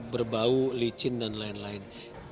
berbau licin dan lain lain